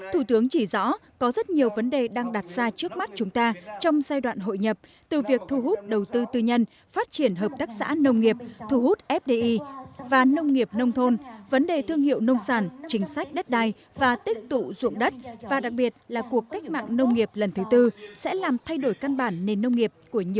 thủ tướng chỉ rõ có rất nhiều vấn đề đang đặt ra trước mắt chúng ta trong giai đoạn hội nhập từ việc thu hút đầu tư tư nhân phát triển hợp tác xã nông nghiệp thu hút fdi và nông nghiệp nông thôn vấn đề thương hiệu nông sản chính sách đất đai và tích tụ dụng đất và đặc biệt là cuộc cách mạng nông nghiệp lần thứ tư sẽ làm thay đổi nông nghiệp